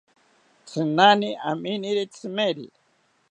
Tzinani amineri tzimeri